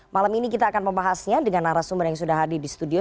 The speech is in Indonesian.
malam ini kita akan membahasnya dengan arah sumber yang sudah hadir di studio